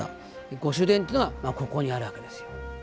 御主殿っていうのがここにあるわけですよ。